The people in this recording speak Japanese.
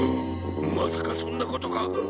まさかそんなことが。